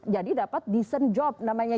jadi dapat decent job namanya